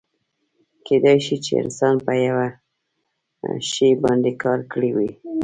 کیدای شي چې انسان په یو شي باندې کار کړی وي.